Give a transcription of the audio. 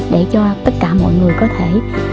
để cho tất cả mọi người có thể